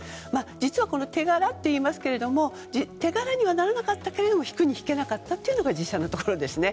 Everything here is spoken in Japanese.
実は、手柄といいますが手柄にはならなかったけれども引くに引けなかったのが実際のところですね。